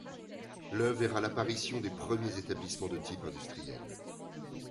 Le verra l’apparition des premiers établissements de type industriel.